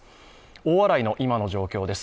大洗の今の状況です。